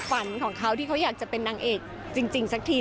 ฝันของเขาที่เขาอยากจะเป็นนางเอกจริงสักที